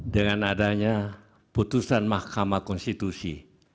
dengan adanya putusan mahkamah konstitusi